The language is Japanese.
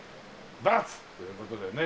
バツという事でね。